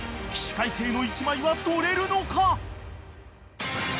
［起死回生の一枚は撮れるのか！？］